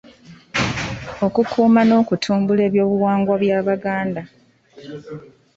Okukuuma n’okutumbula eby’Obuwangwa by’Abaganda.